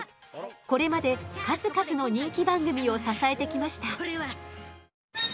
これまで数々の人気番組を支えてきました。